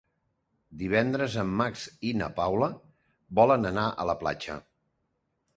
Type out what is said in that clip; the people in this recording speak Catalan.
Divendres en Max i na Paula volen anar a la platja.